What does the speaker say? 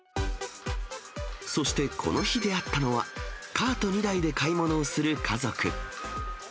そしてこの日出会ったのは、カート２台で買い物をする家族。